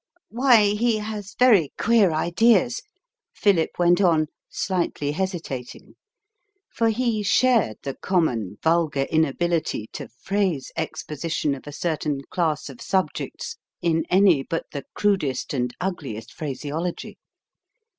"Why, he has very queer ideas," Philip went on, slightly hesitating; for he shared the common vulgar inability to phrase exposition of a certain class of subjects in any but the crudest and ugliest phraseology.